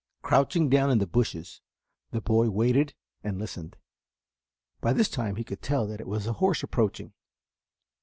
Crouching down in the bushes the boy waited and listened. By this time he could tell that it was a horse approaching.